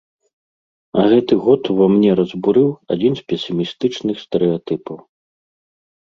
А гэты год ува мне разбурыў адзін з песімістычных стэрэатыпаў.